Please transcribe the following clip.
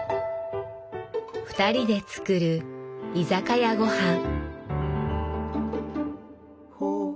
２人で作る「居酒屋ごはん」。